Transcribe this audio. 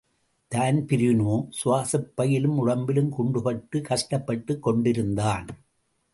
தான்பிரீனோ சுவாசப்பையிலும் உடம்பிலும் குண்டு பட்டுக் கஷ்டப்பட்டுக் கொண்டிருந்தான்.